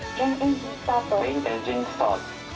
メインエンジンスタート。